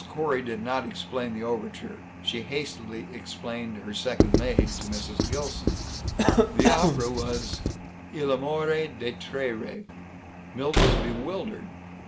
Corey did not explain the overture. She hastily explained her second maid, to Mrs. Gilson. The opera was Il Amore dei Tre Re. Milt was bewildered.